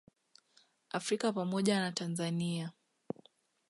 Afrika pamoja na Tanzania